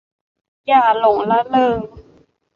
อย่าหลงระเริง